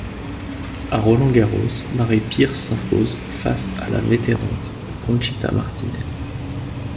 À Roland-Garros, Mary Pierce s'impose face à la vétérante Conchita Martínez.